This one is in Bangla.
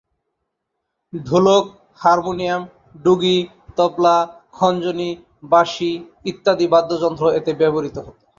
ঢোলক, হারমোনিয়াম, ডুগি, তবলা, খঞ্জনি, বাঁশি ইত্যাদি বাদ্যযন্ত্র এতে ব্যবহূত হয়।